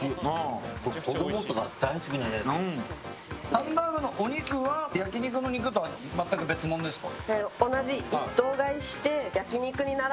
ハンバーグのお肉は焼き肉の肉とは全く別物ですか。